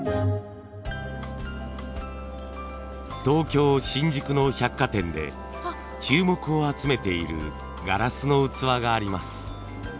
東京新宿の百貨店で注目を集めているガラスの器があります。